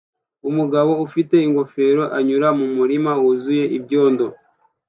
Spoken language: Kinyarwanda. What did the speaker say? Umugabo ufite ingofero anyura mu murima wuzuye ibyondo